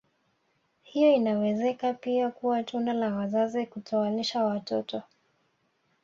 Hiyo inawezeka pia kuwa tunda la wazazi kutowalisha watoto